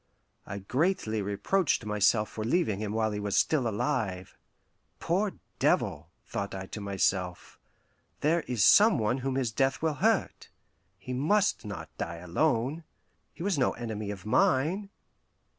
I greatly reproached myself for leaving him while he was still alive. "Poor devil," thought I to myself, "there is some one whom his death will hurt. He must not die alone. He was no enemy of mine."